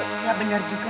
enggak bener juga